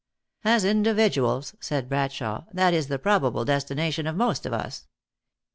" As individuals," said Bradshawe, " that is the probable destination of most of us."